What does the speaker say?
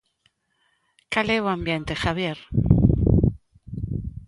Cal é o ambiente, Javier?